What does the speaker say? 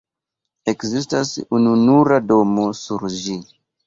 Ekzistas ununura domo sur ĝi.